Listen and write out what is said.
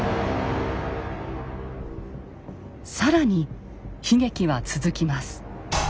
更に悲劇は続きます。